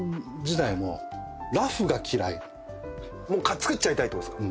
もう作っちゃいたいってことですか？